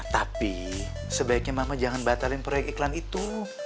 tapi sebaiknya mama jangan batalin proyek iklan itu